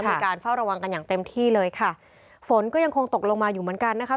มีการเฝ้าระวังกันอย่างเต็มที่เลยค่ะฝนก็ยังคงตกลงมาอยู่เหมือนกันนะคะ